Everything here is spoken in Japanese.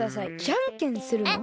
じゃんけんするの？